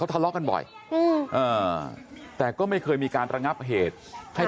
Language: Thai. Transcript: ทะเลาะกันบ่อยแต่ก็ไม่เคยมีการระงับเหตุให้